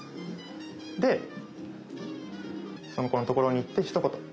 でその子のところに行ってひと言。